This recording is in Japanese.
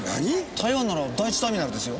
台湾なら第１ターミナルですよ。